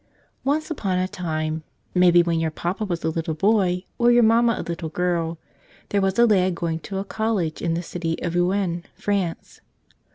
ONCE upon a time — maybe when your papa was a little boy or your mamma a little girl — there was a lad going to a college in the city of Rouen, France.